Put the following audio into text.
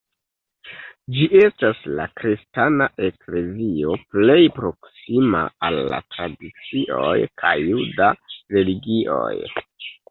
Ĝi estas la kristana eklezio plej proksima al la tradicioj kaj juda religioj.